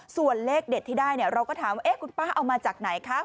ส่วนเลขเด็ดที่ได้เราก็ถามว่าคุณป้าเอามาจากไหนคะ